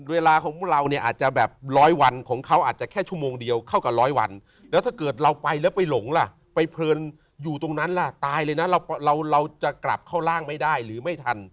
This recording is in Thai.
เวลาของพวกเราเนี่ยอาจจะแบบร้อยวันของเขาอาจจะแค่ชั่วโมงเดียวเข้ากับร้อยวันแล้วถ้าเกิดเราไปแล้วไปหลงล่ะไปเพลินอยู่ตรงนั้นล่ะตายเลยนะเราจะกลับเข้าร่างไม่ได้หรือไม่ทัน